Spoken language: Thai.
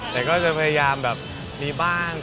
แต่ก็จะพยายามแบบมีบ้าง